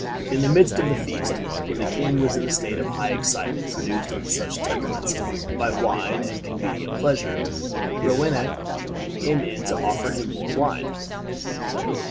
In the midst of the feast, when the king was in the state of high excitement produced on such temperaments by wine and convivial pleasure, Rowena came in to offer him more wine.